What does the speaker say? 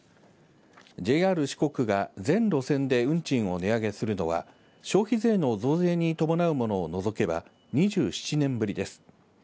ＪＲ四国が全路線で運賃を値上げするのは消費税の増税に伴うもの除けば２７年ぶりです。